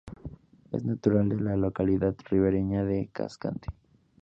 Es natural de la localidad ribereña de Cascante.